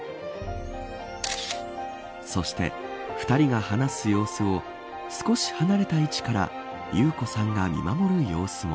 そして、２人が話す様子を少し離れた位置から裕子さんが見守る様子も。